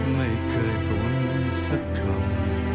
ไม่เคยบ่นสักคำ